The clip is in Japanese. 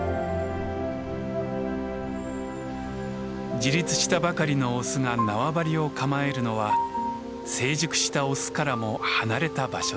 自立したばかりのオスが縄張りを構えるのは成熟したオスからも離れた場所です。